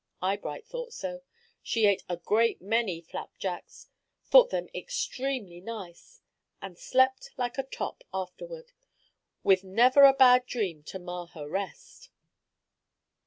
Eyebright thought so. She ate a great many flapjacks, thought them extremely nice, and slept like a top afterward, with never a bad dream to mar her rest.